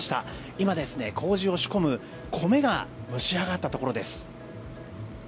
今、麹を仕込む米が蒸し上がったところです。